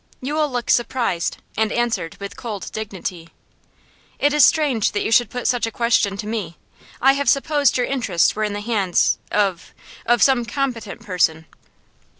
Yule looked surprised, and answered with cold dignity. 'It is strange that you should put such a question to me. I should have supposed your interests were in the hands of of some competent person.